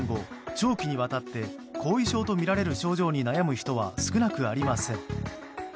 長期にわたって後遺症とみられる症状に悩む人は少なくありません。